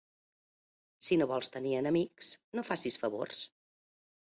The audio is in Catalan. Si no vols tenir enemics, no facis favors.